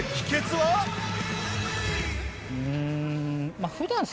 うん。